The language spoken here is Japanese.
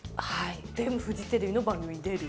フジテレビの番組に出る。